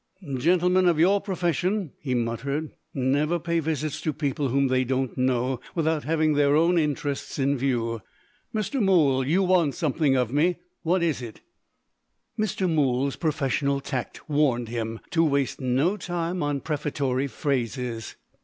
"Gentlemen of your profession," he muttered, "never pay visits to people whom they don't know, without having their own interests in view. Mr. Mool, you want something of me. What is it?" Mr. Mool's professional tact warned him to waste no time on prefatory phrases.